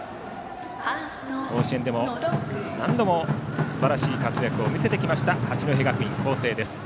甲子園でも何度もすばらしい活躍を見せてきました八戸学院光星です。